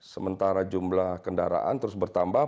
sementara jumlah kendaraan terus bertambah